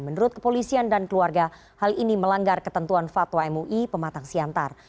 menurut kepolisian dan keluarga hal ini melanggar ketentuan fatwa mui pematang siantar